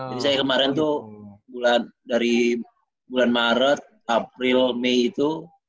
jadi saya kemarin tuh dari bulan maret april may itu